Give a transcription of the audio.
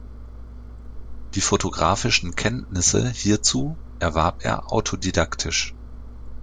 Die fotografischen Kenntnisse hierzu erwarb er autodidaktisch.